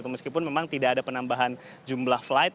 meskipun memang tidak ada penambahan jumlah flight